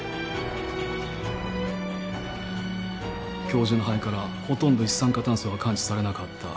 教授の肺からほとんど一酸化炭素は感知されなかった。